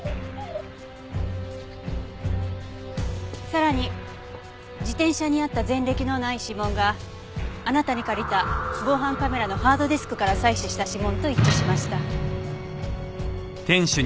さらに自転車にあった前歴のない指紋があなたに借りた防犯カメラのハードディスクから採取した指紋と一致しました。